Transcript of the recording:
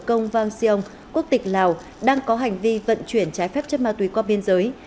công vang siêung quốc tịch lào đang có hành vi vận chuyển trái phép chất ma túy qua biên giới